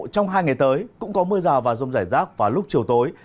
trong hai ngày tới cũng có mưa rào và rông rải rác vào lúc chiều tối